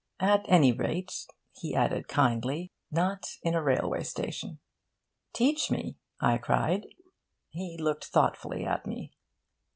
At any rate,' he added kindly, 'not in a railway station.' 'Teach me!' I cried. He looked thoughtfully at me.